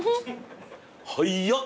早っ！